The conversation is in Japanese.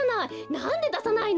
なんでださないの？